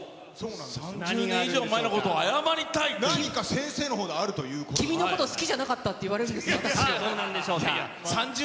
３０年以上前のことを謝りた何か先生のほうがあるという君のこと好きじゃなかったっさあ、どうなんでしょうか。